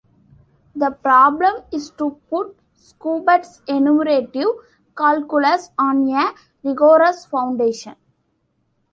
The problem is to put Schubert's enumerative calculus on a rigorous foundation.